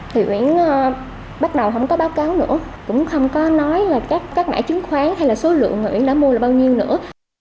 thì uyển bắt đầu không có báo cáo nữa cũng không có nói là các mả chứng khoán hay là số lượng uyển đã mua là bao nhiêu nữa